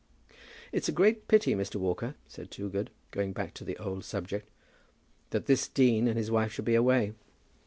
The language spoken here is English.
"It's a great pity, Mr. Walker," said Toogood, going back to the old subject, "that this dean and his wife should be away."